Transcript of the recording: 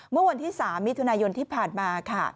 เมื่อวันที่๓มิถุนายนที่ผ่านมาค่ะ